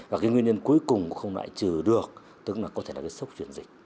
và cái nguyên nhân cuối cùng không lại trừ được tức là có thể là cái sốc chuyển dịch